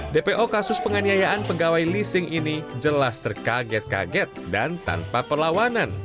dpo kasus penganiayaan pegawai leasing ini jelas terkaget kaget dan tanpa perlawanan